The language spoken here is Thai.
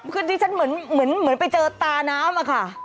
คือที่ฉันเหมือนไปเจอตาน้ำอะค่ะ